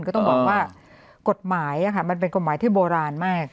ก็ต้องบอกว่ากฎหมายมันเป็นกฎหมายที่โบราณมาก